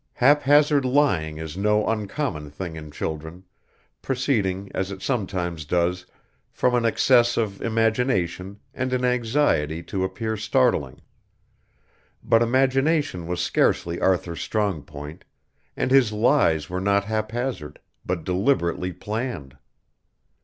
Haphazard lying is no uncommon thing in children, proceeding, as it sometimes does, from an excess of imagination and an anxiety to appear startling; but imagination was scarcely Arthur's strong point, and his lies were not haphazard, but deliberately planned.